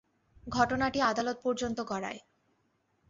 ঘটনাটি আদালত পর্যন্ত গড়ায়।